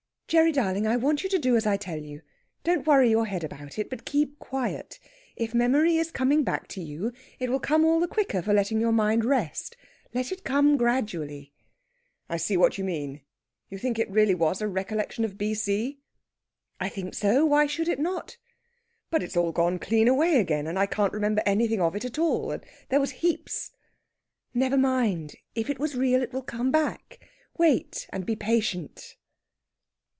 "Gerry darling! I want you to do as I tell you. Don't worry your head about it, but keep quiet. If memory is coming back to you, it will come all the quicker for letting your mind rest. Let it come gradually." "I see what you mean. You think it was really a recollection of B.C.?" "I think so. Why should it not?" "But it's all gone clean away again! And I can't remember anything of it at all and there was heaps!" "Never mind! If it was real it will come back. Wait and be patient!"